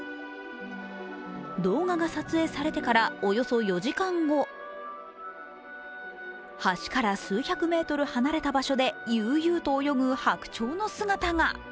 動画が撮影されてからおよそ４時間後橋から数百メートル離れた場所で悠々と泳ぐはくちょうの姿が。